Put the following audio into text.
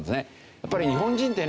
やっぱり日本人ってね